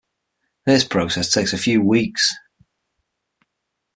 This process takes a few weeks.